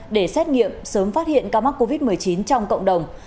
để xét nghiệm sớm phát hiện ca mắc covid một mươi chín trong cộng đồng